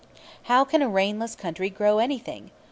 How can a rainless country grow anything?